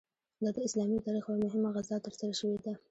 دا د اسلامي تاریخ یوه مهمه غزا ترسره شوې ده.